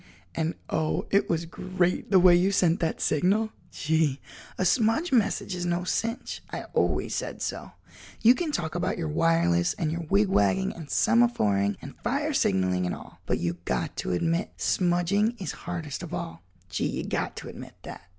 "And, oh it was great the way you sent that signal. Gee, a smudge message is no cinch—I always said so. You can talk about your wireless and your wigwagging and semaphoring and fire signalling and all, but you got to admit smudging is hardest of all—gee, you got to admit that!"